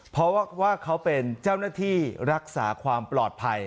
เพราะว่าเขาเป็นเจ้าหน้าที่รักษาความปลอดภัย